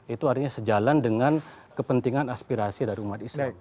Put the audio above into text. itu artinya sejalan dengan kepentingan aspirasi dari umat islam